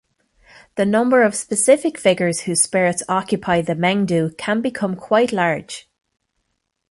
The number of specific figures whose spirits occupy the "mengdu" can become quite large.